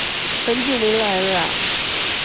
很久沒來了啊！